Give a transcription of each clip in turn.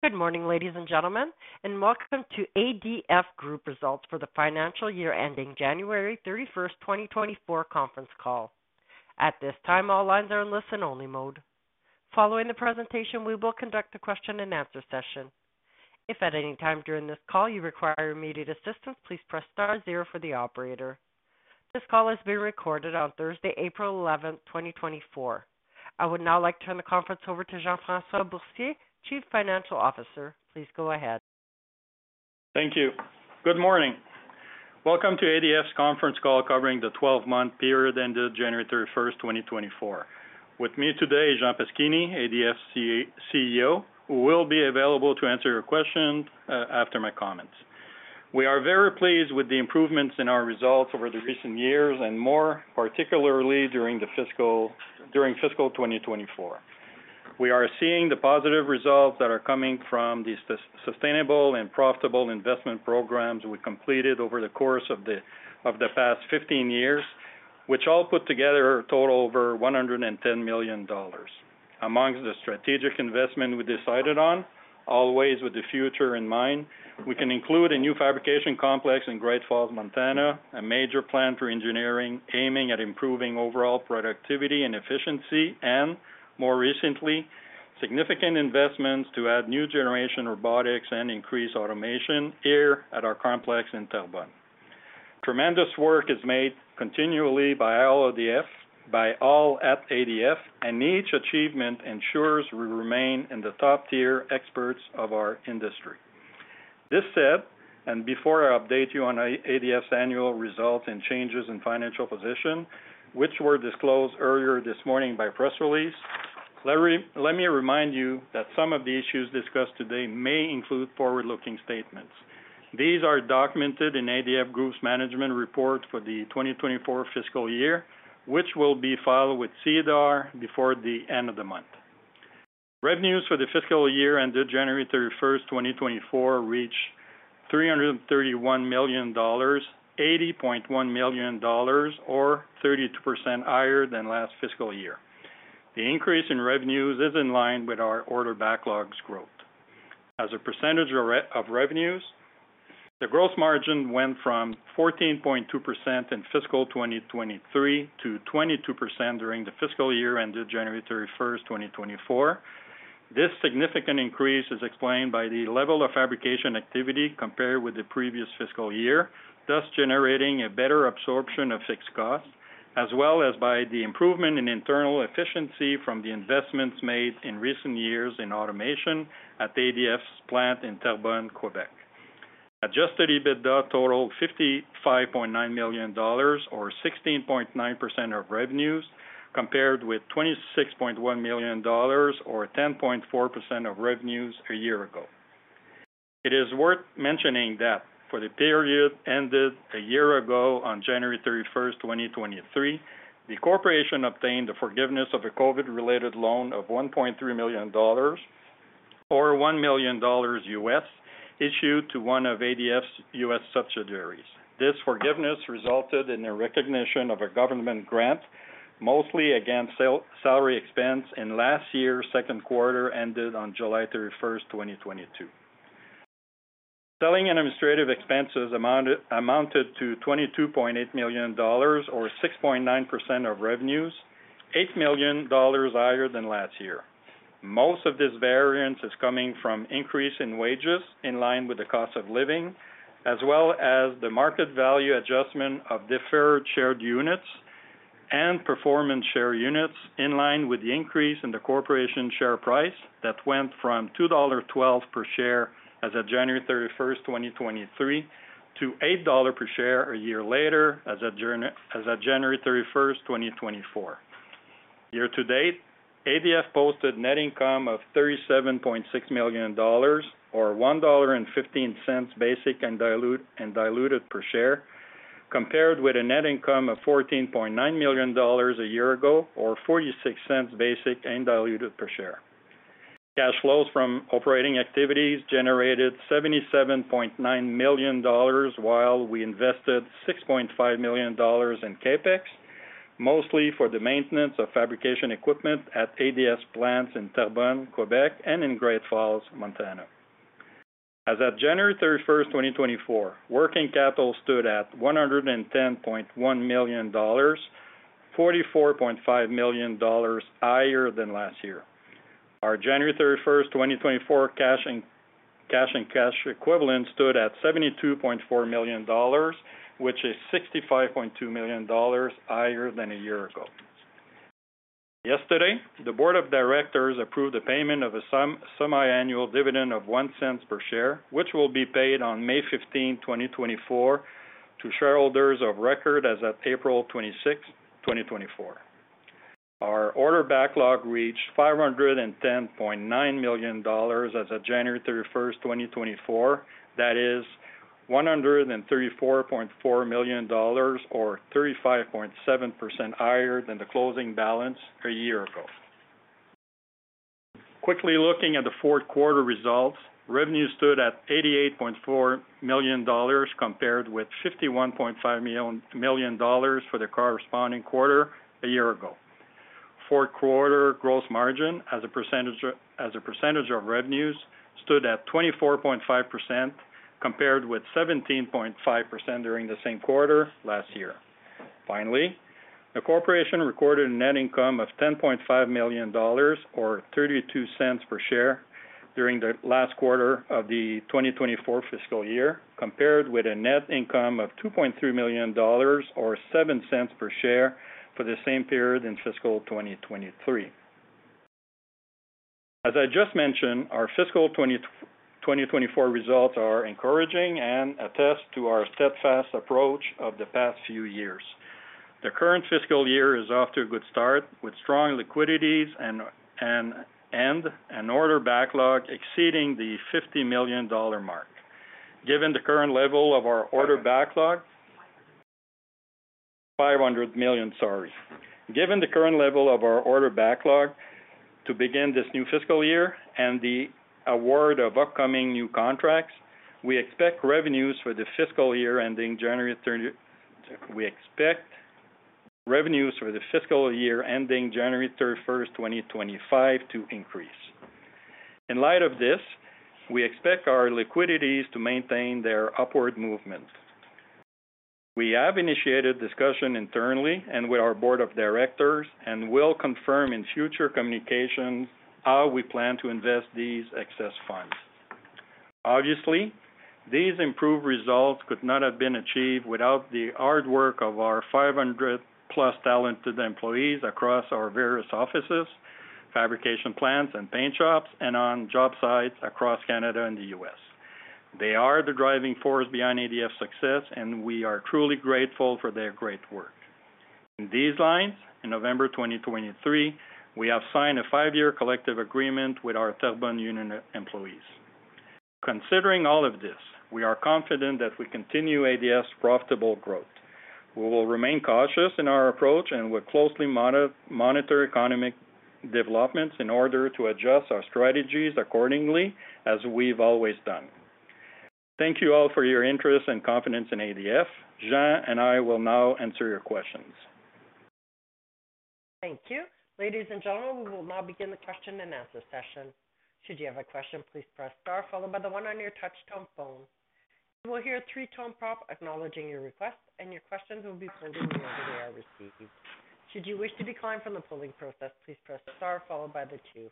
Good morning, ladies and gentlemen, and welcome to ADF Group Results for the Financial Year Ending January 31st, 2024 Conference Call. At this time, all lines are in listen-only mode. Following the presentation, we will conduct a Q&A session. If at any time during this call you require immediate assistance, please press star 0 for the operator. This call is being recorded on Thursday, April 11, 2024. I would now like to turn the conference over to Jean-François Boursier, Chief Financial Officer. Please go ahead. Thank you. Good morning. Welcome to ADF's conference call covering the 12-month period ended January 31st, 2024. With me today, Jean Paschini, ADF CEO, who will be available to answer your questions after my comments. We are very pleased with the improvements in our results over the recent years and more, particularly during fiscal 2024. We are seeing the positive results that are coming from the sustainable and profitable investment programs we completed over the course of the past 15 years, which all put together a total of over 110 million dollars. Among the strategic investments we decided on, always with the future in mind, we can include a new fabrication complex in Great Falls, Montana, a major plant for engineering aiming at improving overall productivity and efficiency, and more recently, significant investments to add new generation robotics and increase automation here at our complex in Terrebonne. Tremendous work is made continually by all at ADF, and each achievement ensures we remain in the top-tier experts of our industry. This said, and before I update you on ADF's annual results and changes in financial position, which were disclosed earlier this morning by press release, let me remind you that some of the issues discussed today may include forward-looking statements. These are documented in ADF Group's management report for the 2024 fiscal year, which will be filed with SEDAR before the end of the month. Revenues for the fiscal year ended January 31st, 2024, reached 331 million dollars, 80.1 million dollars, or 32% higher than last fiscal year. The increase in revenues is in line with our order backlog's growth. As a percentage of revenues, the gross margin went from 14.2% in fiscal 2023 to 22% during the fiscal year ended January 31st, 2024. This significant increase is explained by the level of fabrication activity compared with the previous fiscal year, thus generating a better absorption of fixed costs, as well as by the improvement in internal efficiency from the investments made in recent years in automation at ADF's plant in Terrebonne, Quebec. Adjusted EBITDA totaled 55.9 million dollars, or 16.9% of revenues, compared with 26.1 million dollars, or 10.4% of revenues a year ago. It is worth mentioning that for the period ended a year ago on January 31st, 2023, the corporation obtained the forgiveness of a COVID-related loan of 1.3 million dollars, or $1 million U.S., issued to one of ADF's U.S. subsidiaries. This forgiveness resulted in a recognition of a government grant, mostly against salary expense in last year's second quarter ended on July 31st, 2022. Selling administrative expenses amounted to 22.8 million dollars, or 6.9% of revenues, 8 million dollars higher than last year. Most of this variance is coming from increase in wages in line with the cost of living, as well as the market value adjustment of deferred share units and performance share units in line with the increase in the corporation share price that went from 2.12 dollars per share as of January 31st, 2023, to 8 dollars per share a year later as of January 31st, 2024. Year to date, ADF posted net income of 37.6 million dollars, or 1.15 dollar basic and diluted per share, compared with a net income of 14.9 million dollars a year ago, or 0.46 basic and diluted per share. Cash flows from operating activities generated 77.9 million dollars while we invested 6.5 million dollars in CapEx, mostly for the maintenance of fabrication equipment at ADF plants in Terrebonne, Quebec, and in Great Falls, Montana. As of January 31st, 2024, working capital stood at 110.1 million dollars, 44.5 million dollars higher than last year. Our January 31st, 2024 cash and cash equivalent stood at 72.4 million dollars, which is 65.2 million dollars higher than a year ago. Yesterday, the board of directors approved the payment of a semi-annual dividend of 0.01 per share, which will be paid on May 15th, 2024, to shareholders of record as of April 26, 2024. Our order backlog reached 510.9 million dollars as of January 31st, 2024, that is, 134.4 million dollars, or 35.7% higher than the closing balance a year ago. Quickly looking at the fourth quarter results, revenues stood at 88.4 million dollars compared with 51.5 million dollars for the corresponding quarter a year ago. Fourth quarter gross margin, as a percentage of revenues, stood at 24.5% compared with 17.5% during the same quarter last year. Finally, the corporation recorded a net income of 10.5 million dollars, or 0.32 per share, during the last quarter of the 2024 fiscal year, compared with a net income of 2.3 million dollars, or 0.07 per share, for the same period in fiscal 2023. As I just mentioned, our fiscal 2024 results are encouraging and attest to our steadfast approach of the past few years. The current fiscal year is off to a good start, with strong liquidities and an order backlog exceeding the 50 million dollar mark. Given the current level of our order backlog. 500 million, sorry. Given the current level of our order backlog to begin this new fiscal year and the award of upcoming new contracts, we expect revenues for the fiscal year ending January 31st, 2025, to increase. In light of this, we expect our liquidities to maintain their upward movement. We have initiated discussion internally and with our board of directors and will confirm in future communications how we plan to invest these excess funds. Obviously, these improved results could not have been achieved without the hard work of our 500+ talented employees across our various offices, fabrication plants and paint shops, and on job sites across Canada and the U.S. They are the driving force behind ADF's success, and we are truly grateful for their great work. In these lines, in November 2023, we have signed a five-year collective agreement with our Terrebonne union employees. Considering all of this, we are confident that we continue ADF's profitable growth. We will remain cautious in our approach and will closely monitor economic developments in order to adjust our strategies accordingly, as we've always done. Thank you all for your interest and confidence in ADF. Jean and I will now answer your questions. Thank you. Ladies and gentlemen, we will now begin the Q&A session. Should you have a question, please press star, followed by the one on your touch-tone phone. You will hear a three-tone prompt acknowledging your request, and your questions will be taken in the order they are received. Should you wish to decline from the polling process, please press star, followed by the two.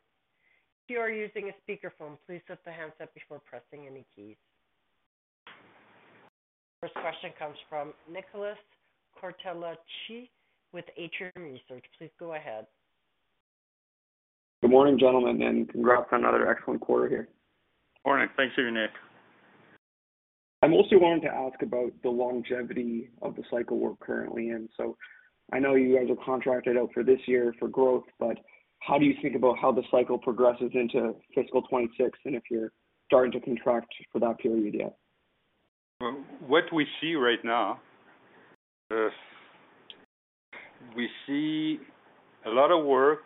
If you are using a speakerphone, please lift the handset before pressing any keys. First question comes from Nicholas Cortellucci with Atrium Research. Please go ahead. Good morning, gentlemen, and congrats on another excellent quarter here. Morning. Thanks to you, Nick. I mostly wanted to ask about the longevity of the cycle we're currently in. So I know you guys are contracted out for this year for growth, but how do you think about how the cycle progresses into fiscal 2026 and if you're starting to contract for that period yet? What we see right now, we see a lot of work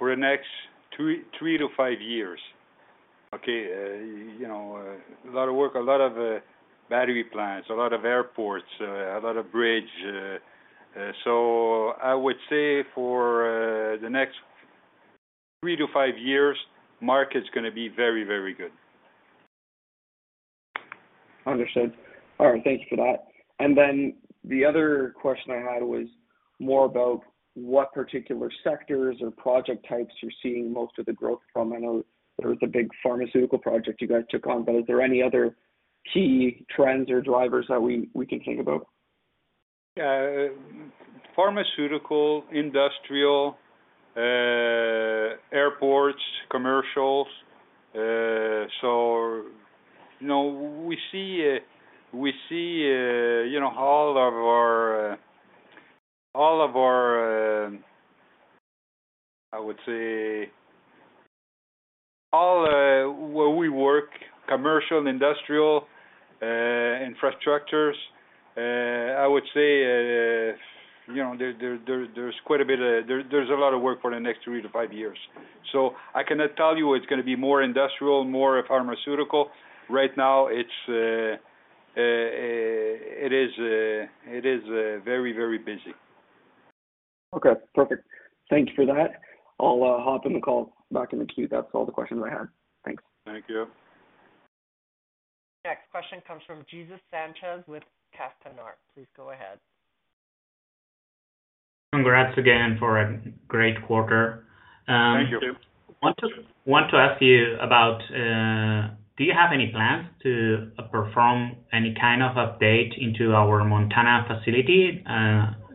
for the next three to five years. Okay? A lot of work, a lot of battery plants, a lot of airports, a lot of bridges. So I would say for the next three to five years, the market's going to be very, very good. Understood. All right. Thank you for that. And then the other question I had was more about what particular sectors or project types you're seeing most of the growth from. I know there was a big pharmaceutical project you guys took on, but is there any other key trends or drivers that we can think about? Yeah. Pharmaceutical, industrial, airports, commercials. So we see all of our, I would say all where we work, commercial, industrial, infrastructures, I would say there's quite a bit of, there's a lot of work for the next three to five years. So I cannot tell you it's going to be more industrial, more pharmaceutical. Right now, it is very, very busy. Okay. Perfect. Thank you for that. I'll hop in the call back in the queue. That's all the questions I had. Thanks. Thank you. Next question comes from Jesús Sánchez with Castañar. Please go ahead. Congrats again for a great quarter. Thank you. Want to ask you about, do you have any plans to perform any kind of update into our Montana facility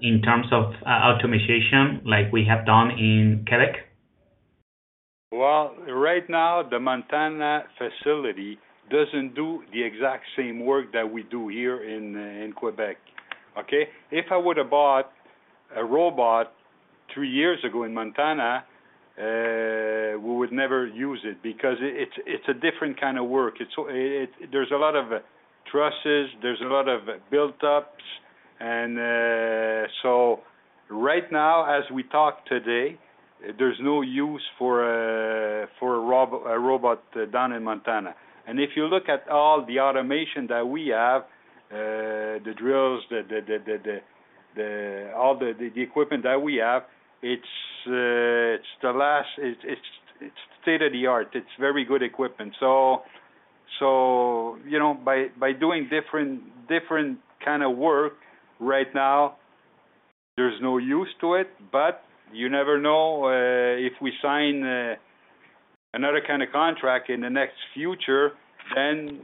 in terms of automation like we have done in Quebec? Well, right now, the Montana facility doesn't do the exact same work that we do here in Quebec. Okay? If I would have bought a robot three years ago in Montana, we would never use it because it's a different kind of work. There's a lot of trusses. There's a lot of buildups. And so right now, as we talk today, there's no use for a robot done in Montana. And if you look at all the automation that we have, the drills, all the equipment that we have, it's the last, it's state-of-the-art. It's very good equipment. So by doing different kind of work right now, there's no use to it. But you never know. If we sign another kind of contract in the next future, then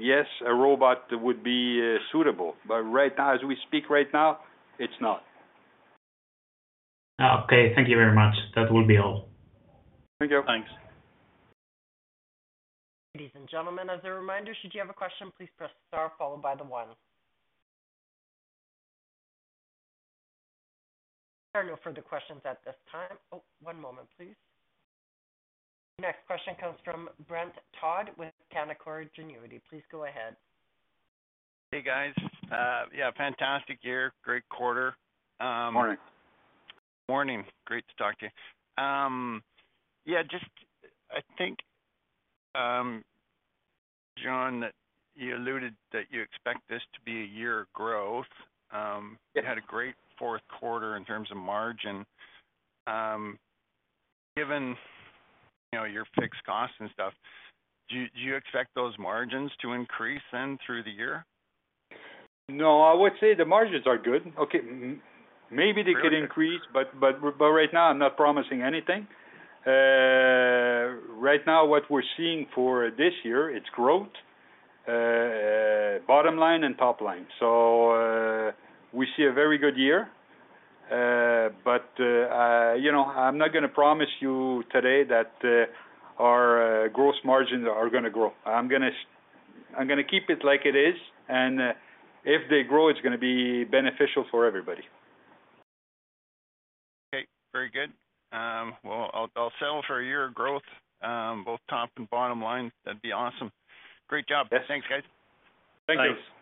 yes, a robot would be suitable. But right now, as we speak right now, it's not. Okay. Thank you very much. That will be all. Thank you. Thanks. Ladies and gentlemen, as a reminder, should you have a question, please press star, followed by one. There are no further questions at this time. Oh, one moment, please. Next question comes from Brent Todd with Canaccord Genuity. Please go ahead. Hey, guys. Yeah, fantastic year. Great quarter. Morning. Morning. Great to talk to you. Yeah, just I think, Jean, that you alluded that you expect this to be a year of growth. You had a great fourth quarter in terms of margin. Given your fixed costs and stuff, do you expect those margins to increase then through the year? No, I would say the margins are good. Okay? Maybe they could increase, but right now, I'm not promising anything. Right now, what we're seeing for this year, it's growth, bottom line and top line. So we see a very good year. But I'm not going to promise you today that our gross margins are going to grow. I'm going to keep it like it is. And if they grow, it's going to be beneficial for everybody. Okay. Very good. Well, I'll settle for a year of growth, both top and bottom line. That'd be awesome. Great job. Thanks, guys. Thank you. Thanks.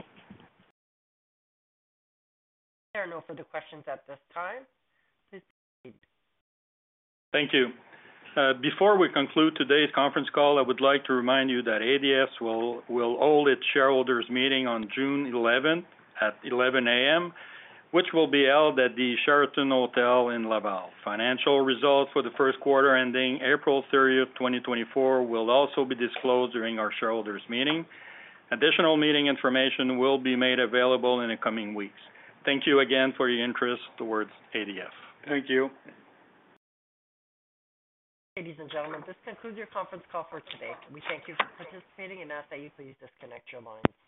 There are no further questions at this time. Please proceed. Thank you. Before we conclude today's conference call, I would like to remind you that ADF will hold its shareholders' meeting on June 11th at 11:00 AM, which will be held at the Sheraton Hotel in Laval. Financial results for the first quarter ending April 30th, 2024, will also be disclosed during our shareholders' meeting. Additional meeting information will be made available in the coming weeks. Thank you again for your interest toward ADF. Thank you. Ladies and gentlemen, this concludes your conference call for today. We thank you for participating, and as I ask that you please disconnect your lines.